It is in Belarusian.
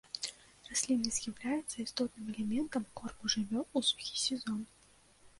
Расліна з'яўляецца істотным элементам корму жывёл у сухі сезон.